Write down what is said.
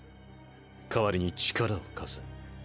かわりに力を貸せ。